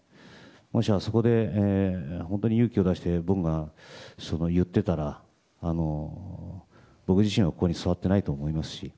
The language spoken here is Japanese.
もしあそこで本当に勇気を出して僕が言っていたら僕自身はここに座ってないと思いますし。